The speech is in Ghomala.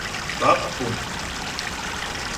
Báp puŋ.